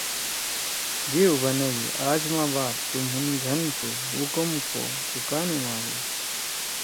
دیؤ بنَدی: ”آج ما بعد تُو مُھن گھن تُھو! حُکم کو! تُو کا نیِمادُو؟“